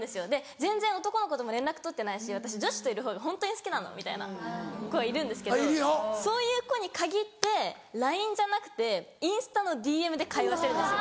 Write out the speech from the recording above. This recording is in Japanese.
「全然男の子とも連絡取ってないし私女子といるほうがホントに好きなの」みたいな子いるんですけどそういう子に限ってＬＩＮＥじゃなくてインスタのＤＭで会話してるんですよ。